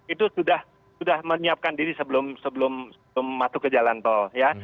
itu sudah menyiapkan diri sebelum masuk ke jalan tol ya